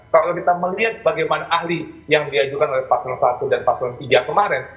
kalau kita melihat bagaimana ahli yang diajukan oleh paslon satu dan paslon tiga kemarin